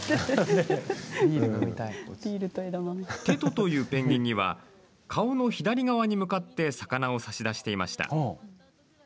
テトというペンギンには顔の左側に向かって魚を差し出していました。